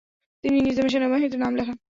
তিনি নিজামের সেনাবাহিনীতে নাম লেখান।